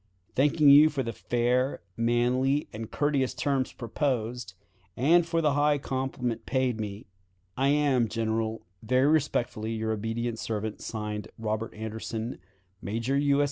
"Thanking you for the fair, manly, and courteous terms proposed, and for the high compliment paid me, "I am, General, very respectfully, your obedient servant, (Signed) "Robert Anderson, "_Major U. S.